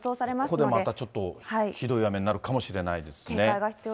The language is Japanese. ここでまたちょっとひどい雨になるかもしれないですね。